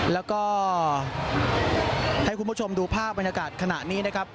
แล้วก็ให้คุณผู้ชมดูภาพบรรยากาศขณะนี้นะครับ